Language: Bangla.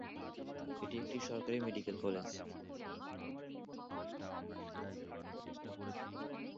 এটি একটি সরকারি মেডিকেল কলেজ।